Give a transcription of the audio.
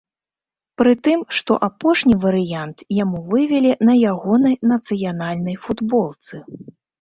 Прытым, што апошні варыянт яму вывелі на ягонай нацыянальнай футболцы.